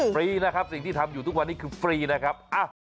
ฟรีนะครับสิ่งที่ทำอยู่ทุกวันนี้คือฟรีนะครับ